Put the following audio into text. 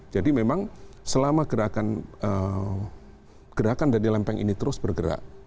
jadi memang selama gerakan gerakan dari lempeng ini terus bergerak